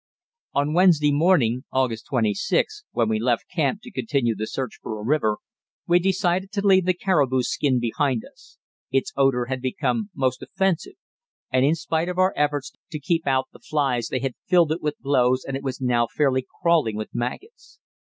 On Wednesday morning (August 26) when we left camp to continue the search for a river, we decided to leave the caribou skin behind us; its odour had become most offensive, and in spite of our efforts to keep out the flies they had filled it with blows and it was now fairly crawling with maggots.